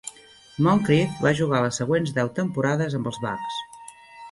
Moncrief va jugar les següents deu temporades amb els Bucks.